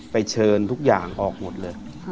เชิญทุกอย่างออกหมดเลย